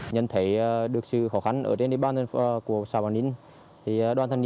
nhân thấy được sự khó khăn ở trên địa bàn của xã bảo ninh